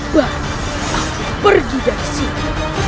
baik aku pergi dari sini